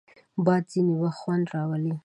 باد ځینې وخت خوند راولي